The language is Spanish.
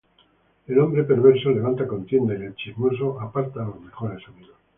El hombre perverso levanta contienda; Y el chismoso aparta los mejores amigos.